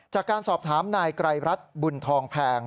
จากการสอบถามนายไกรรัฐบุญทองแพง